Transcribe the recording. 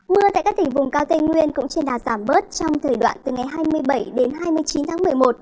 mưa tại các tỉnh vùng cao tây nguyên cũng trên đà giảm bớt trong thời đoạn từ ngày hai mươi bảy đến hai mươi chín tháng một mươi một